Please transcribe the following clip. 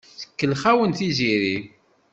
Tkellex-awent Tiziri.